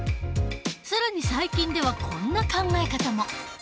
更に最近ではこんな考え方も。